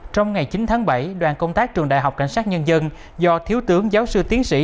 trong ngày chín tháng bảy đoàn công tác trường đại học cảnh sát nhân dân do thiếu tướng giáo sư tiến sĩ